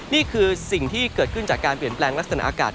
นี่คือสิ่งที่เกิดขึ้นจากการเปลี่ยนแปลงลักษณะอากาศ